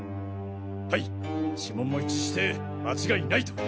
はい指紋も一致して間違いないと。